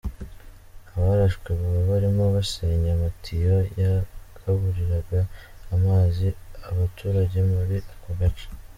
Abarashwe baba barimo basenya amatiyo yagaburiraga amazi abaturage muri ako gace.